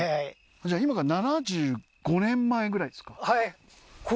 じゃあ今から７５年前ぐらいですか？